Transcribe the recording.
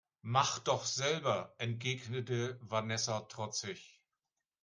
Mach doch selber, entgegnete Vanessa trotzig.